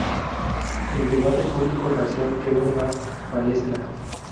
El debate público racial quedó en la palestra.